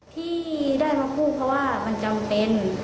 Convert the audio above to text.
ที่ได้มาพูดเพราะว่ามันจำเป็น